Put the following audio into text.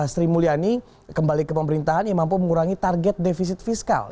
sri mulyani kembali ke pemerintahan yang mampu mengurangi target defisit fiskal